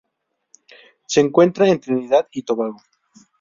Se encuentran en Trinidad y Tobago.